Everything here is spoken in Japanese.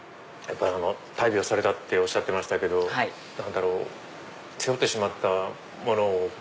大病されたっておっしゃってましたけど何だろう背負ってしまったものを。